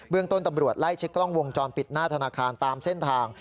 ต้นตำรวจไล่เช็คกล้องวงจรปิดหน้าธนาคารตามเส้นทาง